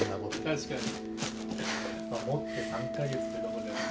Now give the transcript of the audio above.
確かに。